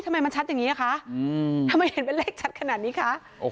ทำไมมันชัดอย่างนี้คะทำไมเห็นเป็นเลขชัดขนาดนี้คะ